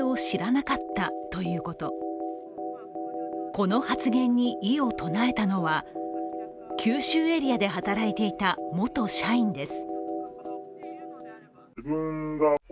この発言に異を唱えたのは九州エリアで働いていた元社員です。